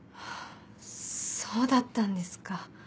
そうだったんですか。